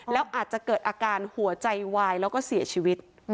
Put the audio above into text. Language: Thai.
แล้วอาจจะเกิดอาการหัวใจวายแล้วก็เสียชีวิต